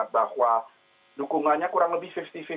bahwa dukungannya kurang lebih lima puluh lima puluh